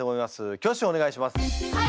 挙手をお願いします。